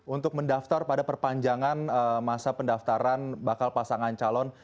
untuk mendaftar pada perpanjangan masa pendaftaran bakal pasangan calon